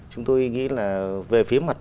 chúng tôi nghĩ là về phía mặt